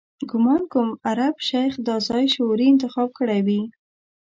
ګومان کوم عرب شیخ دا ځای شعوري انتخاب کړی وي.